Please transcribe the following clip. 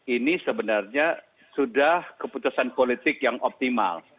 ini sebenarnya sudah keputusan politik yang optimal